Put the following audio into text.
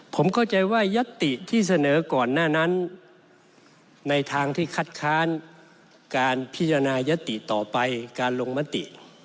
ผมเข้าใจว่ายัตติที่เสนอก่อนหน้านั้นในทางที่คัดค้านการพิจารณายติต่อไปการลงมติ